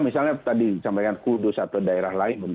misalnya tadi disampaikan kudus atau daerah lain